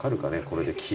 これで木。